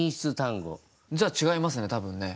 じゃあ違いますね多分ね。